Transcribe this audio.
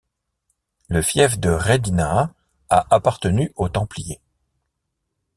Le fief de Redinha a appartenu aux Templiers.